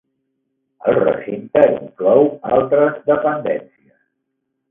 El recinte inclou altres dependències.